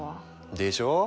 でしょ！